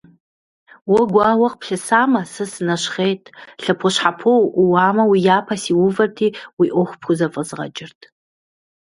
Уэ гуауэ къыплъысамэ, сэ сынэщхъейт, лъэпощхьэпо уӀууамэ, уи япэ сиувэрти, уи Ӏуэху пхузэфӀэзгъэкӀырт.